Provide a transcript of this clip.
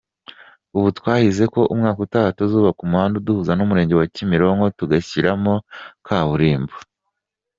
Ubu twahize ko umwaka utaha tuzubaka umuhanda uduhuza n’Umurenge wa Kimironko tugashyiramo kaburimbo.